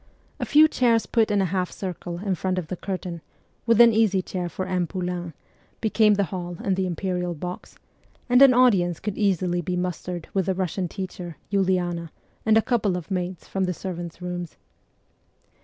A few chairs put in a half circle in front of the curtain, with an easy chair for M. Poulain, became the hall and the imperial box, and an audience could easily be mustered with the Russian teacher, Uliana, and a couple of maids from the servants' rooms.